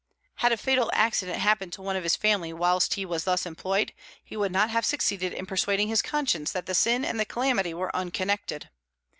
Had a fatal accident happened to one of his family whilst he was thus employed, he would not have succeeded in persuading his conscience that the sin and the calamity were unconnected.